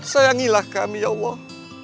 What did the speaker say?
sayangilah kami ya allah